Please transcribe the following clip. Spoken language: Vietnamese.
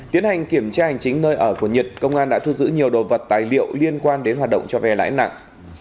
tiến hành kiểm tra hành chính nơi ở của nhật công an đã thu giữ nhiều đồ vật tài liệu liên quan đến hoạt động cho vay lãi nặng